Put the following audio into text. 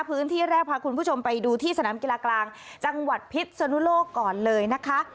พื้นที่แรกพาคุณผู้ชมไปดูที่สนามกีฬากลางจังหวัดพิษสนุโลกก่อนเลยนะคะ